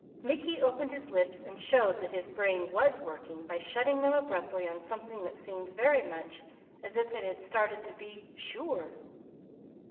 Mickey opened his lips, and showed that his brain was working by shutting them abruptly on something that seemed very much as if it had started to be: "Sure!"